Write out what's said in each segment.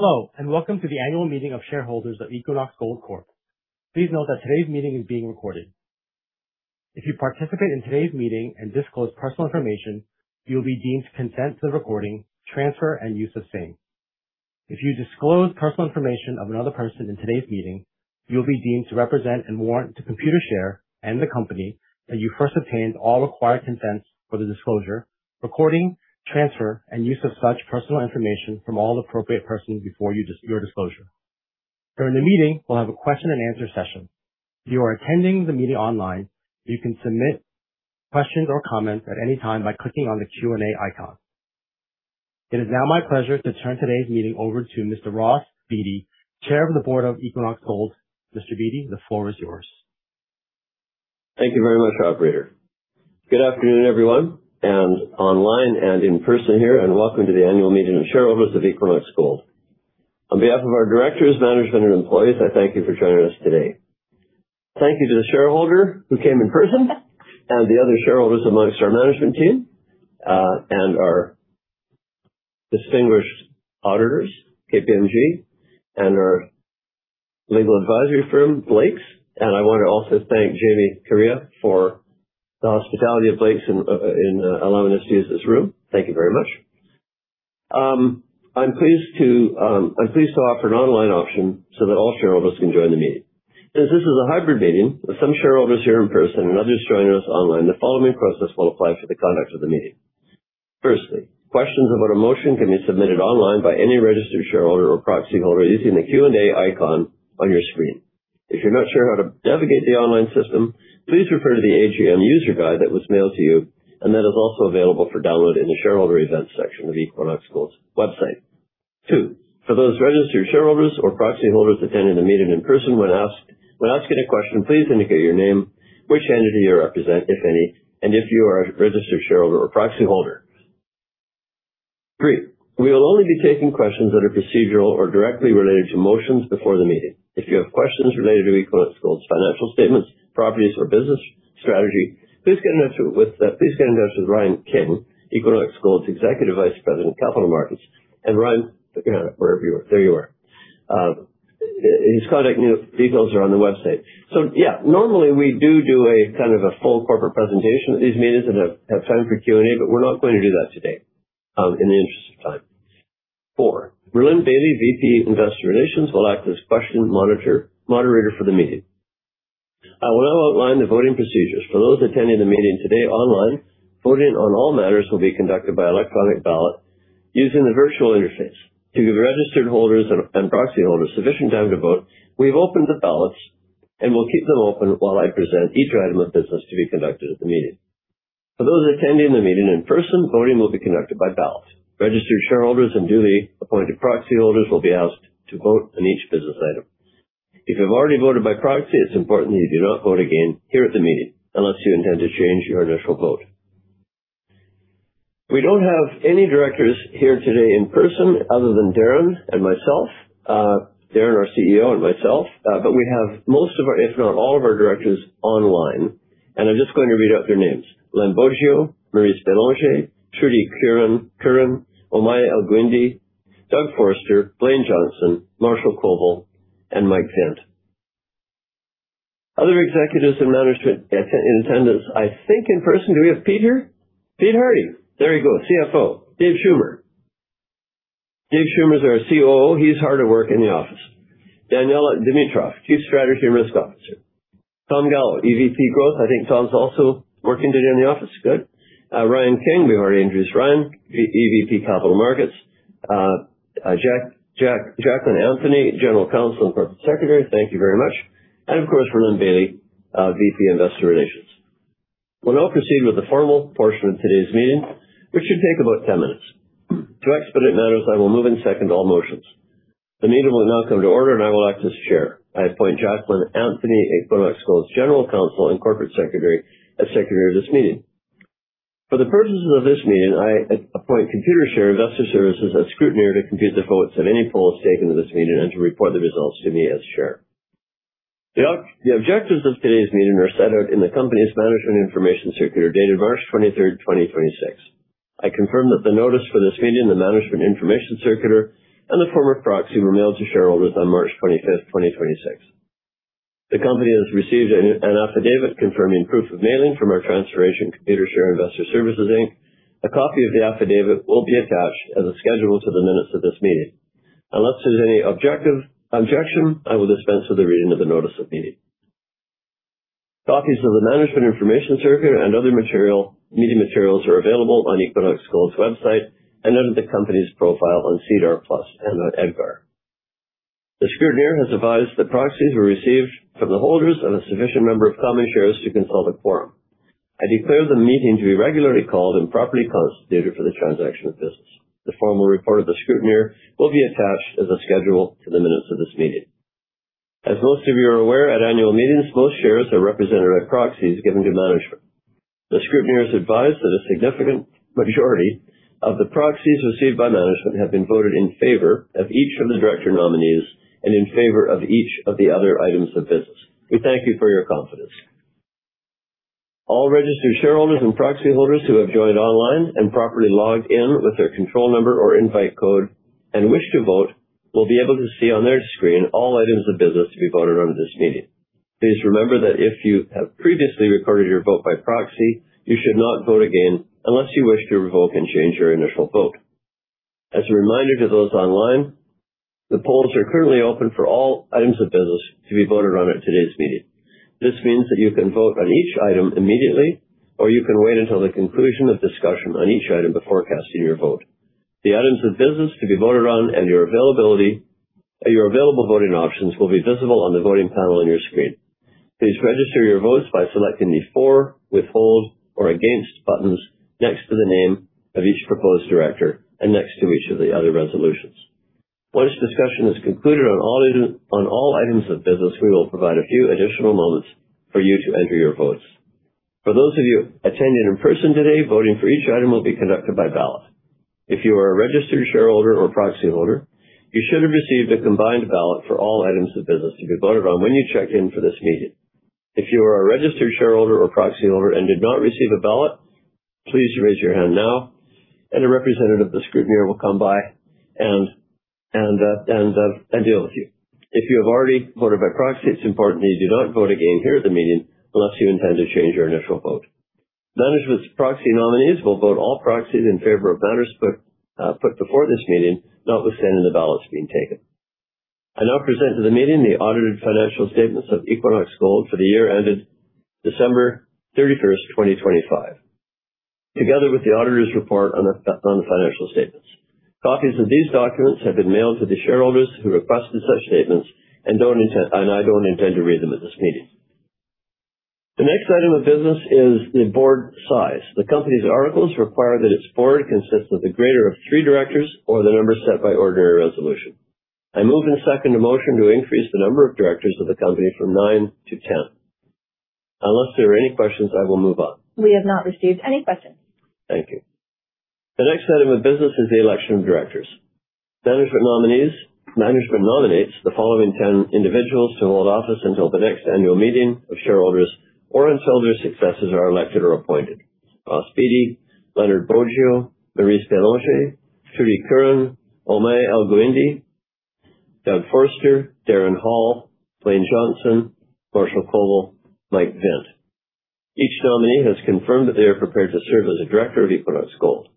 Hello, and welcome to the annual meeting of shareholders of Equinox Gold Corp. Please note that today's meeting is being recorded. If you participate in today's meeting and disclose personal information, you'll be deemed to consent to the recording, transfer, and use of same. If you disclose personal information of another person in today's meeting, you'll be deemed to represent and warrant to Computershare and the company that you first obtained all required consents for the disclosure, recording, transfer, and use of such personal information from all appropriate persons before your disclosure. During the meeting, we'll have a question-and-answer session. If you are attending the meeting online, you can submit questions or comments at any time by clicking on the Q&A icon. It is now my pleasure to turn today's meeting over to Mr. Ross Beaty, chair of the board of Equinox Gold. Mr. Beaty, the floor is yours. Thank you very much, operator. Good afternoon, everyone, online and in person here, and welcome to the Annual Meeting of Shareholders of Equinox Gold. On behalf of our directors, management, and employees, I thank you for joining us today. Thank you to the shareholder who came in person and the other shareholders amongst our management team, and our distinguished auditors, KPMG, and our legal advisory firm, Blakes. I want to also thank Jamie Kariya for the hospitality of Blakes in allowing us to use this room. Thank you very much. I'm pleased to offer an online option so that all shareholders can join the meeting. Since this is a hybrid meeting, with some shareholders here in person and others joining us online, the following process will apply for the conduct of the meeting. Questions about a motion can be submitted online by any registered shareholder or proxyholder using the Q&A icon on your screen. If you're not sure how to navigate the online system, please refer to the AGM user guide that was mailed to you, and that is also available for download in the shareholder events section of Equinox Gold's website. Two, for those registered shareholders or proxyholders attending the meeting in person, when asking a question, please indicate your name, which entity you represent, if any, and if you are a registered shareholder or proxyholder. Three, we will only be taking questions that are procedural or directly related to motions before the meeting. If you have questions related to Equinox Gold's financial statements, properties, or business strategy, please get in touch with Ryan King, Equinox Gold's Executive Vice President, Capital Markets. Ryan, wherever you are. There you are. His contact details are on the website. Yeah, normally we do a kind of a full corporate presentation at these meetings and have time for Q&A, but we're not going to do that today in the interest of time. Rhylin Bailie, VP Investor Relations, will act as question monitor, moderator for the meeting. I will now outline the voting procedures. For those attending the meeting today online, voting on all matters will be conducted by electronic ballot using the virtual interface. To give registered holders and proxyholders sufficient time to vote, we've opened the ballots and will keep them open while I present each item of business to be conducted at the meeting. For those attending the meeting in person, voting will be conducted by ballot. Registered shareholders and duly appointed proxyholders will be asked to vote on each business item. If you've already voted by proxy, it's important that you do not vote again here at the meeting unless you intend to change your initial vote. We don't have any directors here today in person other than Darren and myself, Darren, our CEO, and myself. We have most of our, if not all of our directors online, and I'm just going to read out their names. Len Boggio, Maurice Desloges, Trudy Curran, Omaya Elguindi, Doug Forster, Blayne Johnson, Marshall Koval, and Mike Vint. Other executives and management in attendance, I think in person. Do we have Pete here? Peter Hardie. There he goes. CFO. David Schummer. David Schummer is our COO. He's hard at work in the office. Daniella Dimitrov, Chief Strategy and Risk Officer. Tom Gallo, EVP Growth. I think Tom's also working today in the office. Good. Ryan King. We've already introduced Ryan. EVP, Capital Markets. Jacqueline Anthony, General Counsel and Corporate Secretary. Thank you very much. Of course, Rhylin Bailie, VP Investor Relations. We'll now proceed with the formal portion of today's meeting, which should take about 10 minutes. To expedite matters, I will move and second all motions. The meeting will now come to order, and I will act as Chair. I appoint Jacqueline Anthony, Equinox Gold's General Counsel and Corporate Secretary, as Secretary of this meeting. For the purposes of this meeting, I appoint Computershare Investor Services as Scrutineer to compute the votes of any polls taken in this meeting and to report the results to me as Chair. The objectives of today's meeting are set out in the company's Management Information Circular dated March 23rd, 2026. I confirm that the notice for this meeting, the Management Information Circular, and the form of proxy were mailed to shareholders on March 25th, 2026. The company has received an affidavit confirming proof of mailing from our transfer agent, Computershare Investor Services, Inc. A copy of the affidavit will be attached as a schedule to the minutes of this meeting. Unless there's any objection, I will dispense with the reading of the notice of meeting. Copies of the Management Information Circular and other material, meeting materials are available on Equinox Gold's website and under the company's profile on SEDAR+ and on EDGAR. The scrutineer has advised that proxies were received from the holders and a sufficient number of common shares to constitute quorum. I declare the meeting to be regularly called and properly constituted for the transaction of business. The formal report of the scrutineer will be attached as a schedule to the minutes of this meeting. As most of you are aware, at annual meetings, most shares are represented at proxies given to management. The scrutineer has advised that a significant majority of the proxies received by management have been voted in favor of each of the director nominees and in favor of each of the other items of business. We thank you for your confidence. All registered shareholders and proxy holders who have joined online and properly logged in with their control number or invite code and wish to vote will be able to see on their screen all items of business to be voted on at this meeting. Please remember that if you have previously recorded your vote by proxy, you should not vote again unless you wish to revoke and change your initial vote. As a reminder to those online, the polls are currently open for all items of business to be voted on at today's meeting. This means that you can vote on each item immediately, or you can wait until the conclusion of discussion on each item before casting your vote. The items of business to be voted on and your available voting options will be visible on the voting panel on your screen. Please register your votes by selecting the for, withhold, or against buttons next to the name of each proposed director and next to each of the other resolutions. Once discussion is concluded on all items of business, we will provide a few additional moments for you to enter your votes. For those of you attending in person today, voting for each item will be conducted by ballot. If you are a registered shareholder or proxy holder, you should have received a combined ballot for all items of business to be voted on when you checked in for this meeting. If you are a registered shareholder or proxy holder and did not receive a ballot, please raise your hand now and a representative of the scrutineer will come by and deal with you. If you have already voted by proxy, it's important that you do not vote again here at the meeting unless you intend to change your initial vote. Management's proxy nominees will vote all proxies in favor of matters put before this meeting, notwithstanding the ballots being taken. I now present to the meeting the audited financial statements of Equinox Gold for the year ended December 31st, 2025, together with the auditor's report on the financial statements. Copies of these documents have been mailed to the shareholders who requested such statements and I don't intend to read them at this meeting. The next item of business is the board size. The company's articles require that its board consists of the greater of three directors or the number set by ordinary resolution. I move and second a motion to increase the number of directors of the company from nine to 10. Unless there are any questions, I will move on. We have not received any questions. Thank you. The next item of business is the election of directors. Management nominees. Management nominates the following ten individuals to hold office until the next annual meeting of shareholders or until their successors are elected or appointed. Ross Beaty, Lenard Boggio, Maurice Desloges, Trudy Curran, Omaya Elguindi, Doug Forster, Darren Hall, Blayne Johnson, Marshall Koval, Mike Vint. Each nominee has confirmed that they are prepared to serve as a director of Equinox Gold.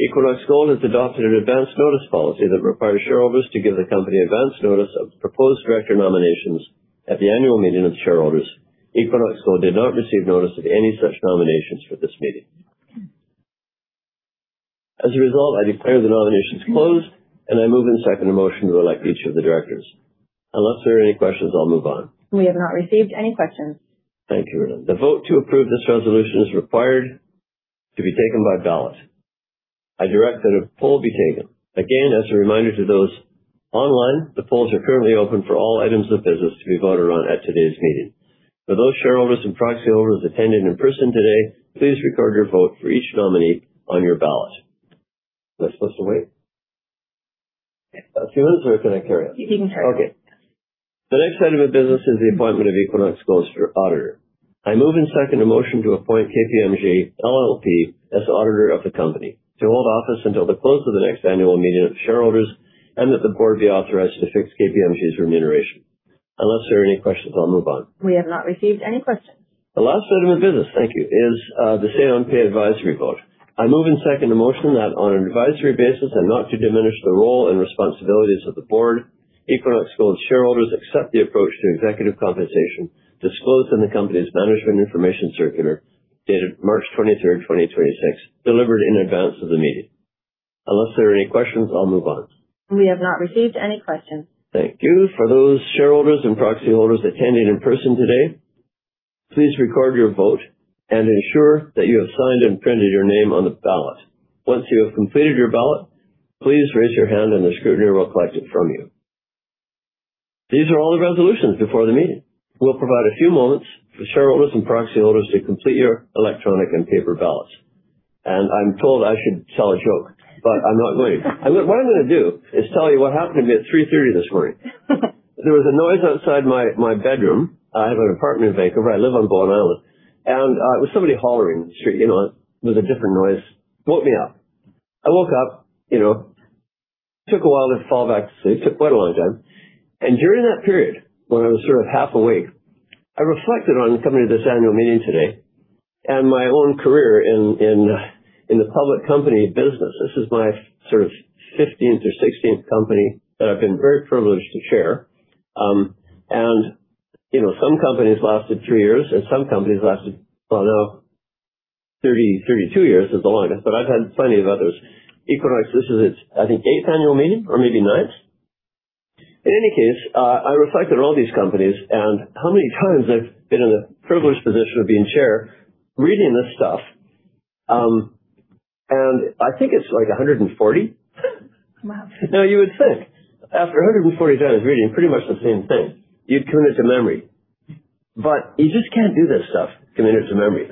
Equinox Gold has adopted an advanced notice policy that requires shareholders to give the company advance notice of proposed director nominations at the annual meeting of shareholders. Equinox Gold did not receive notice of any such nominations for this meeting. As a result, I declare the nominations closed, and I move and second a motion to elect each of the directors. Unless there are any questions, I'll move on. We have not received any questions. Thank you. The vote to approve this resolution is required to be taken by ballot. I direct that a poll be taken. Again, as a reminder to those online, the polls are currently open for all items of business to be voted on at today's meeting. For those shareholders and proxy holders attending in person today, please record your vote for each nominee on your ballot. Am I supposed to wait a few minutes or can I carry on? You can carry on. The next item of business is the appointment of Equinox Gold's auditor. I move and second a motion to appoint KPMG LLP as auditor of the company to hold office until the close of the next annual meeting of shareholders and that the board be authorized to fix KPMG's remuneration. Unless there are any questions, I'll move on. We have not received any questions. The last item of business, thank you, is the say on pay advisory vote. I move and second a motion that on an advisory basis and not to diminish the role and responsibilities of the board, Equinox Gold shareholders accept the approach to executive compensation disclosed in the company's Management Information Circular dated March 23rd, 2026, delivered in advance of the meeting. Unless there are any questions, I'll move on. We have not received any questions. Thank you. For those shareholders and proxy holders attending in person today, please record your vote and ensure that you have signed and printed your name on the ballot. Once you have completed your ballot, please raise your hand and the scrutineer will collect it from you. These are all the resolutions before the meeting. We'll provide a few moments for shareholders and proxy holders to complete your electronic and paper ballots. I'm told I should tell a joke, but I'm not going to. What I'm gonna do is tell you what happened to me at 3:30 this morning. There was a noise outside my bedroom. I have an apartment in Vancouver. I live on Bowen Island. It was somebody hollering in the street. You know, it was a different noise. Woke me up. I woke up, you know, took a while to fall back to sleep. Took quite a long time. During that period, when I was sort of half awake, I reflected on coming to this annual meeting today and my own career in the public company business. This is my sort of fifteenth or sixteenth company that I've been very privileged to chair. You know, some companies lasted three years and some companies lasted, well, now 32 years is the longest, but I've had plenty of others. Equinox, this is its, I think, 8th annual meeting or maybe 9th. In any case, I reflected on all these companies and how many times I've been in the privileged position of being chair reading this stuff. I think it's like 140. Wow. You would think after 140 times reading pretty much the same thing, you'd commit it to memory, but you just can't do this stuff, commit it to memory.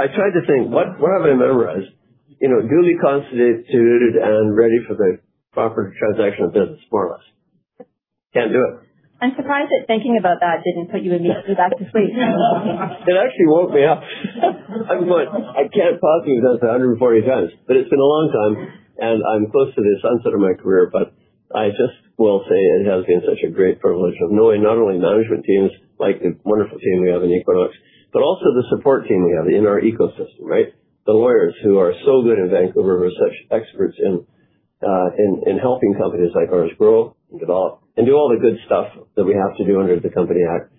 I tried to think, what have I memorized? You know, duly constituted and ready for the proper transaction of business, more or less. Can't do it. I'm surprised that thinking about that didn't put you immediately back to sleep. It actually woke me up. I am going, "I can't possibly have done this 140 times." It's been a long time, and I'm close to the sunset of my career. I just will say it has been such a great privilege of knowing not only management teams like the wonderful team we have in Equinox, but also the support team we have in our ecosystem, right? The lawyers who are so good in Vancouver, who are such experts in helping companies like ours grow and develop and do all the good stuff that we have to do under the Company Act.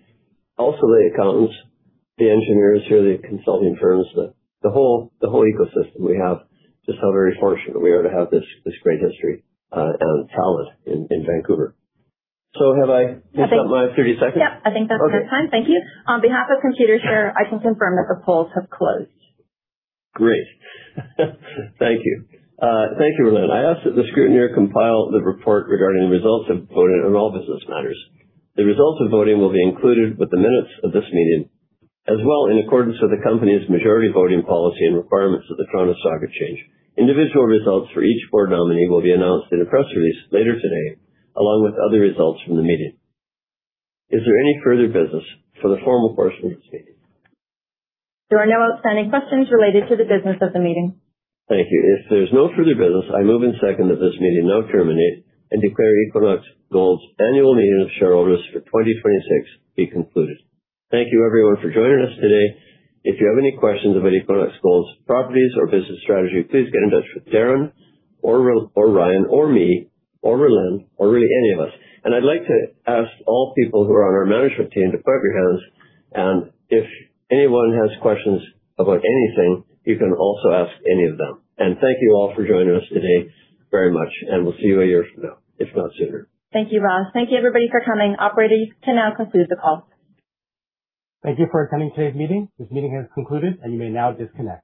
Also, the accountants, the engineers here, the consulting firms, the whole ecosystem we have. Just how very fortunate we are to have this great history and talent in Vancouver. Have I used up my 30 seconds? Yep. I think that's your time. Thank you. On behalf of Computershare, I can confirm that the polls have closed. Great. Thank you. Thank you, Rhylin. I ask that the scrutineer compile the report regarding the results of voting on all business matters. The results of voting will be included with the minutes of this meeting, as well in accordance with the company's majority voting policy and requirements of the Toronto Stock Exchange. Individual results for each board nominee will be announced in a press release later today, along with other results from the meeting. Is there any further business for the formal portion of this meeting? There are no outstanding questions related to the business of the meeting. Thank you. If there's no further business, I move and second that this meeting now terminate and declare Equinox Gold's annual meeting of shareholders for 2026 be concluded. Thank you everyone for joining us today. If you have any questions about Equinox Gold's properties or business strategy, please get in touch with Darren or Ryan or me or Rhylin or really any of us. I'd like to ask all people who are on our management team to clap your hands, and if anyone has questions about anything, you can also ask any of them. Thank you all for joining us today very much, and we'll see you a year from now, if not sooner. Thank you, Ross. Thank you everybody for coming. Operator, you can now conclude the call. Thank you for attending today's meeting. This meeting has concluded, and you may now disconnect.